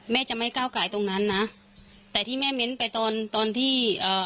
จะไม่ก้าวไก่ตรงนั้นนะแต่ที่แม่เน้นไปตอนตอนที่เอ่อ